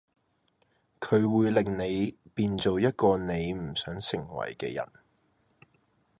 佢會令你變做一個你唔想成為嘅人